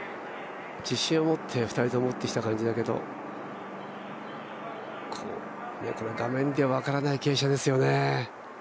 自信を持って２人とも打ってきた感じだけど、画面では分からない傾斜ですよね。